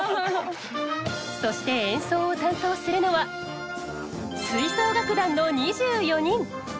そして演奏を担当するのは吹奏楽団の２４人。